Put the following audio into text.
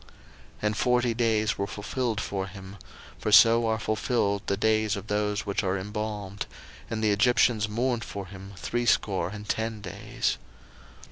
01:050:003 And forty days were fulfilled for him; for so are fulfilled the days of those which are embalmed: and the Egyptians mourned for him threescore and ten days.